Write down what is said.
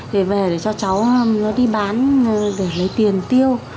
để về để cho cháu nó đi bán để lấy tiền tiêu